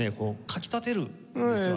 かき立てるんですよ